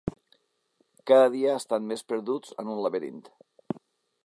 Cada dia estan més perduts en un laberint.